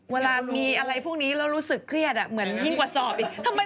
เวลามีอะไรพวกนี้แล้วรู้สึกเครียดเหมือนยิ่งกว่าสอบอีก